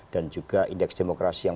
dan juga indeks demokrasi yang